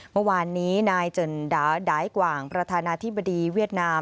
เมื่อวานนี้นายเจนดายกว่างประธานาธิบดีเซียสเมียน้ำ